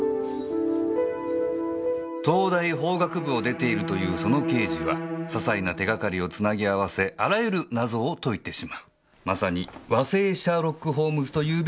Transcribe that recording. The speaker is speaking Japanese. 「東大法学部を出ているというその刑事はささいな手がかりをつなぎ合わせあらゆる謎を解いてしまう」「まさに和製シャーロック・ホームズというべき趣」